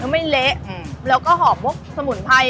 ไม่เละแล้วก็หอบพวกสมุนไพร